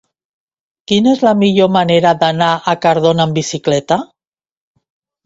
Quina és la millor manera d'anar a Cardona amb bicicleta?